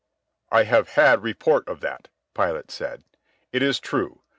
"I have had report of that," Pilate said. "It is true.